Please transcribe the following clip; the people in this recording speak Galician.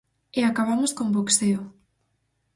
E acabamos con boxeo.